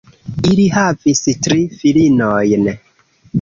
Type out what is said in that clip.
Ili havis tri filinojn.